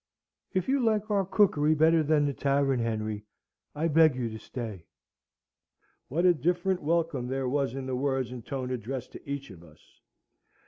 If you like our cookery better than the tavern, Henry, I beg you to stay." What a different welcome there was in the words and tone addressed to each of us!